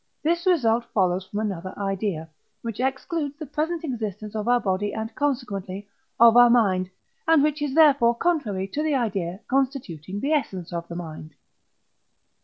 this result follows from another idea, which excludes the present existence of our body and, consequently, of our mind, and which is therefore contrary to the idea constituting the essence of our mind.